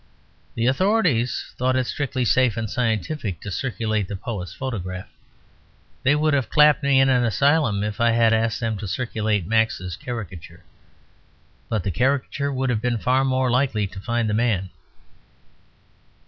The authorities thought it strictly safe and scientific to circulate the poet's photograph. They would have clapped me in an asylum if I had asked them to circulate Max's caricature. But the caricature would have been far more likely to find the man.